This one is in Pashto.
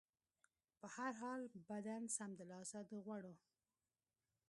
په هر حال، بدن سمدلاسه د غوړو